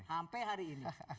sampai hari ini